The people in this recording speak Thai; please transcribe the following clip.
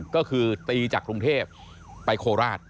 ก็คือตีจากกรุงเทพไปโคราช